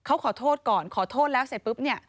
เขาขอโทษก่อนขอโทษแล้วเสร็จปุ๊บเนี่ย